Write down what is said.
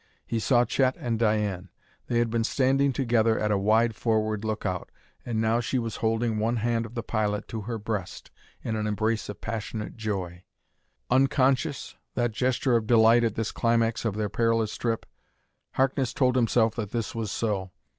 He saw Chet and Diane. They had been standing together at a wide forward lookout; and now she was holding one hand of the pilot to her breast in an embrace of passionate joy. Unconscious, that gesture of delight at this climax of their perilous trip? Harkness told himself that this was so.